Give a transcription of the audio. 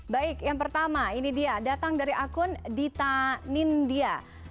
baik yang pertama ini dia datang dari akun dita nindya